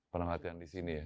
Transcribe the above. pernah latihan di sini ya